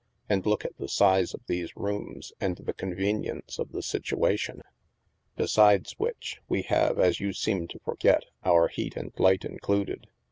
And look at the size of these rooms, and the convenience of the situation! Beside which, we have, as you seem to forget, our heat and light included.